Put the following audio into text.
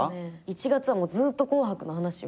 １月はずっと『紅白』の話を。